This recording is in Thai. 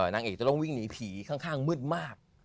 นางเอกจะต้องวิ่งหนีผีข้างมืดมาก